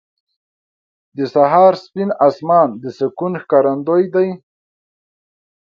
• د سهار سپین اسمان د سکون ښکارندوی دی.